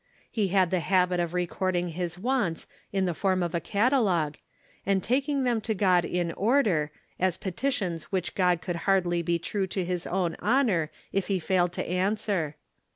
He had the habit of record ing his wants in the form of a catalogue, and taking them to God in order, as petitions which God could hardly be true to his own honor if he failed to answer.